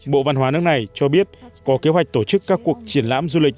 bộ văn hóa nước này cho biết có kế hoạch tổ chức các cuộc triển lãm du lịch